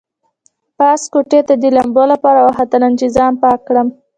پاس کوټې ته د لامبو لپاره وختلم چې ځان پاک کړم.